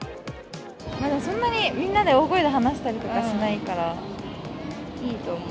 まだそんなにみんなで大声で話したりとかしないからいいと思う。